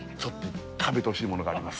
食べてほしいものがあります。